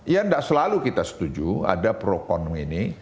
yang nggak selalu kita setuju ada pro kon ini